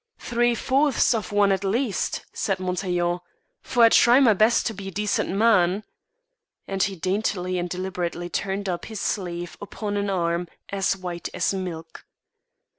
"Three fourths of one at least," said Montaiglon; "for I try my best to be a decent man," and he daintily and deliberately turned up his sleeve upon an arm as white as milk.